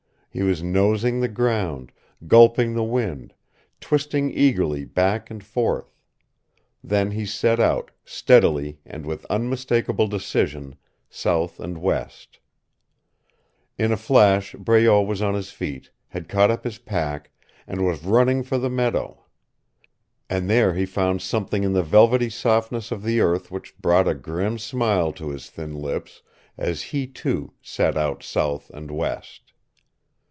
He was nosing the ground, gulping the wind, twisting eagerly back and forth. Then he set out, steadily and with unmistakable decision, south and west. In a flash Breault was on his feet, had caught up his pack, and was running for the meadow. And there he found something in the velvety softness of the earth which brought a grim smile to his thin lips as he, too, set out south and west.